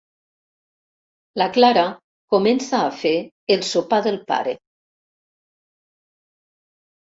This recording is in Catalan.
La Clara comença a fer el sopar del pare.